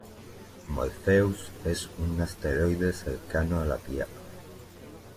Morpheus es un asteroide cercano a la Tierra.